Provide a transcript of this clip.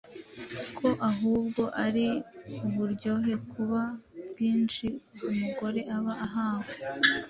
ko ahubwo ari uburyohe buba bwinshi umugore aba ahawe